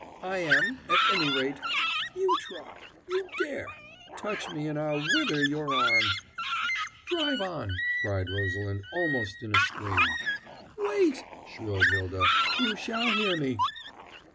I am at any rate, you try! You dare! Touch me, and I'll wither your arm " "Drive on!" cried Rosalind almost in a scream. "Wait!" shrilled Hylda "you shall hear me!"